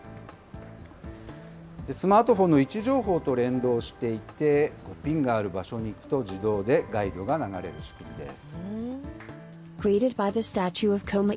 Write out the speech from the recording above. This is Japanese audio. スマートフォンの位置情報と連動していて、ピンがある場所に行くと、自動でガイドが流れる仕組みです。